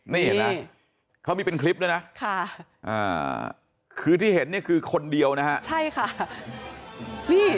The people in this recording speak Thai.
นี่เห็นไหมเป็นคลิปดีนะคือคนเดียวนะครับ